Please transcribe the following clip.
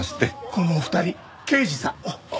このお二人刑事さん。